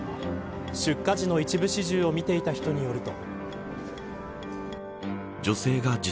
出火時の一部始終を見ていた人によると。